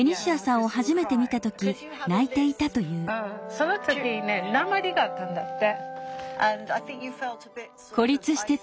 その時ねなまりがあったんだって。